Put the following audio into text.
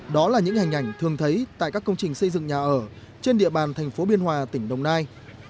đó là những hình ảnh thường thấy tại các công trình xây dựng nhà ở trên địa bàn thành phố biên hòa tỉnh đồng nai